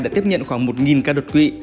đã tiếp nhận khoảng một ca đột quỵ